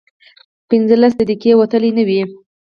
پينځلس دقيقې وتلې نه وې.